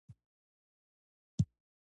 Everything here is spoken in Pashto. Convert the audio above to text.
د برټانوي هند حکومت یوه غوښتنه هم ونه منله.